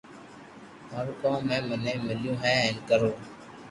مارو ڪوم ھي مني مليو ھي ھين ڪرو